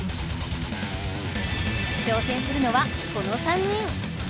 挑戦するのはこの３人！